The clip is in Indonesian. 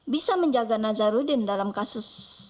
bisa menjaga nazarudin dalam kasus